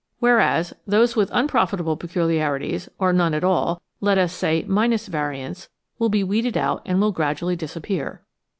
Whereas those with unprofitable peculiarities or none at all (let us say, minus vari ants) will be weeded out and will gradually disappear.